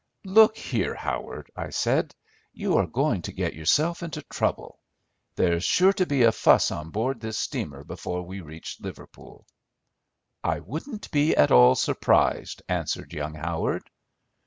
"Look here, Howard," I said, "you are going to get yourself into trouble. There's sure to be a fuss on board this steamer before we reach Liverpool." "I wouldn't be at all surprised," answered young Howard.